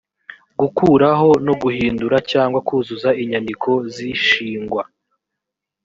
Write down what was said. gukuraho no guhindura cyangwa kuzuza inyandiko z’ishingwa